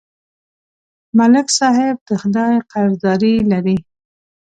ملک صاحب د خدای قرضداري لري